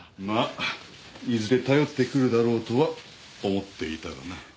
まあいずれ頼ってくるだろうとは思っていたがな。